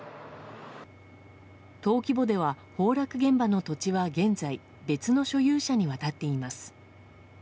登記簿では崩落現場の土地は現在、別の所有者に渡っています。